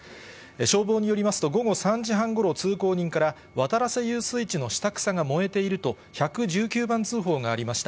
消防によりますと、午後３時半ごろ、通行人から、渡良瀬遊水地の下草が燃えていると、１１９番通報がありました。